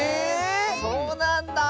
そうなんだあ！